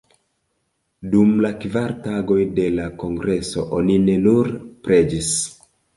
Dum la kvar tagoj de la kongreso oni ne nur preĝis.